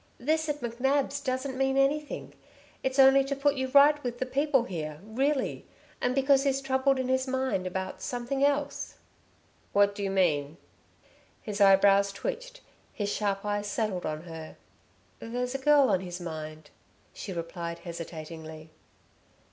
This at McNab's doesn't mean anything; it's only to put you right with the people here, really and because he's troubled in his mind about something else!" "What do you mean?" His eyebrows twitched, his sharp eyes settled on her. "There's a girl on his mind," she replied hesitatingly.